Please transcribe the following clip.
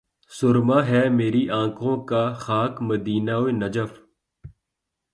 سرمہ ہے میری آنکھ کا خاک مدینہ و نجف